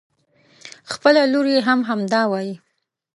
خپله لور يې هم همدا وايي.